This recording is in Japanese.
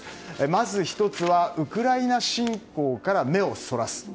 まず１つはウクライナ侵攻から目をそらす。